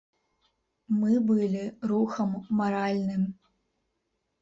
Мы былі рухам маральным.